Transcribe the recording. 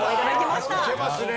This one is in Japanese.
いけますね。